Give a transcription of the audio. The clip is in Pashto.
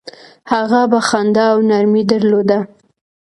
هغه به خندا او نرمي درلوده.